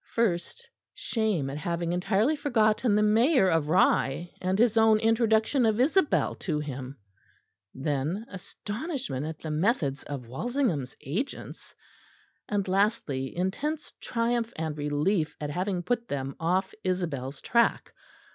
First shame at having entirely forgotten the mayor of Rye and his own introduction of Isabel to him; then astonishment at the methods of Walsingham's agents; and lastly intense triumph and relief at having put them off Isabel's track.